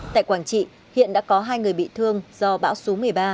tại quảng trị hiện đã có hai người bị thương do bão số một mươi ba